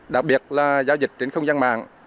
đặc biệt là giao dịch trên không gian mạng